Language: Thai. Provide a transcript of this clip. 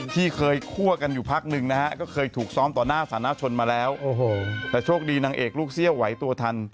ที่เคยคั่วกันอยู่พักหนึ่งนะฮะก็เคยถูกซ้อมต่อหน้าสาธารณชนมาแล้วแต่โชคดีนางเอกลูกเซี่ยวไหวตัวทัน